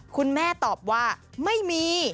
คุณแม่ตอบว่าไม่มี